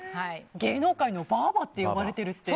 芸能界のばぁばって呼ばれてるって。